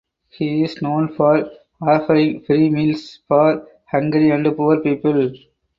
He is known for offering free meals for hungry and poor people.